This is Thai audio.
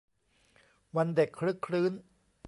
วันเด็กครึกครื้น